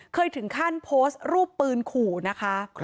เคยถึงขั้นโพสต์รูปปืนขู่นะคะ